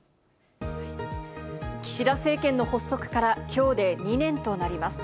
岸田政権の発足からきょうで２年となります。